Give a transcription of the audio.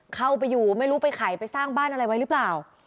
เข้าไปอยู่ไม่รู้ไปไขไปสร้างบ้านอะไรไว้หรือเปล่า